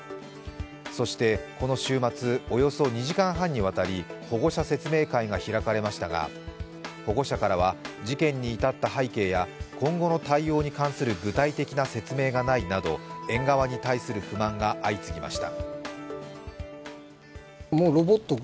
そしてこの週末、およそ２時間半にわたり保護者説明会が開かれましたが保護者からは事件に至った背景や今後の対応に関する具体的な説明がないなど、園側に対する不満が相次ぎました。